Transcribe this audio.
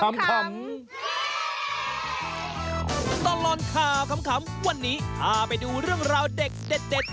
ตลอดข่าวขำวันนี้พาไปดูเรื่องราวเด็ด